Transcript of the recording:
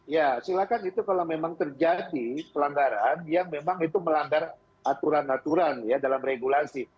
ya silakan itu kalau memang terjadi pelanggaran ya memang itu melanggar aturan aturan ya dalam regulasi